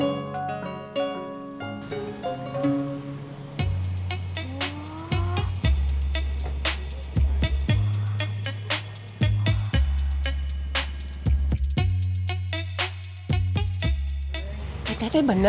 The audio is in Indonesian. supaya jadi dua dua rapat bersama